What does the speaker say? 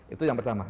itu yang pertama